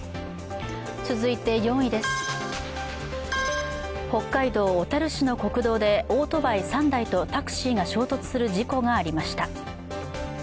続いて４位です、北海道小樽市の国道でオートバイ３台とタクシーが衝突する事故がありました。